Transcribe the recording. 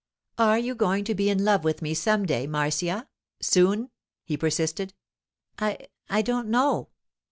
Are you going to be in love with me some day, Marcia—soon?' he persisted. 'I—I don't know.